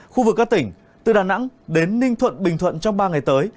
khu vực các tỉnh từ đà nẵng đến ninh thuận bình thuận trong ba ngày tới